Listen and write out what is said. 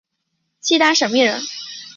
契丹审密人。